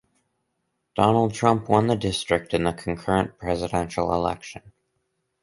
Donald Trump won the district in the concurrent presidential election.